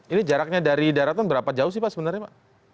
ini jaraknya dari daratan berapa jauh sih pak sebenarnya pak